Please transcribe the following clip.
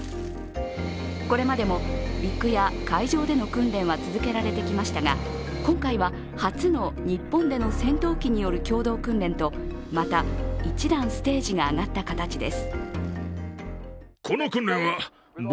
これまでも陸や海上での訓練は続けられてきましたが、今回は初の日本での戦闘機による共同訓練とまた、一段ステージが上がった形です。